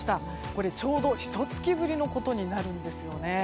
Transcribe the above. これはちょうどひと月ぶりのことになるんです。